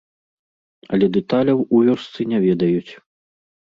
Але дэталяў у вёсцы не ведаюць.